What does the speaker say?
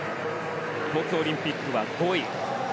東京オリンピックは５位。